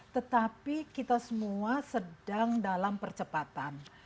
tetapi kita semua sedang dalam percepatan